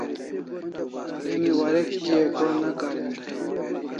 Emi warek kia ko ne karin dai?